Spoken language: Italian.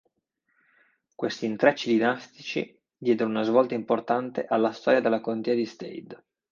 Questi intrecci dinastici diedero una svolta importante alla storia della contea di Stade.